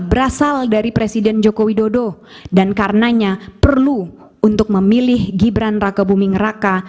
berasal dari presiden joko widodo dan karenanya perlu untuk memilih gibran raka buming raka